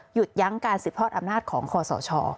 หยุดยั้งการสืบทอดอำนาจของคอสช